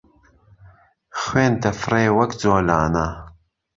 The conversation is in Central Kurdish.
خوێن دهفرێ وەک جۆلانه